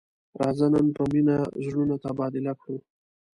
راځه نن په مینه زړونه تبادله کړو.